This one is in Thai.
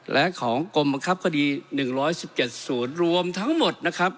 และของกรมบังคับคดี๑๑๗ศูนย์รวมทั้งหมดนะครับ